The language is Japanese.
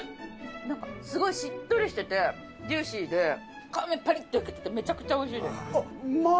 何かすごいしっとりしててジューシーで皮目パリっと焼けててめちゃくちゃおいしいです。